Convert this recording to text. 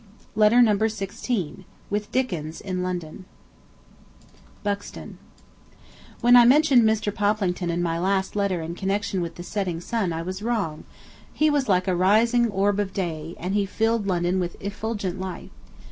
Letter Number Sixteen BUXTON When I mentioned Mr. Poplington in my last letter in connection with the setting sun I was wrong; he was like the rising orb of day, and he filled London with effulgent light.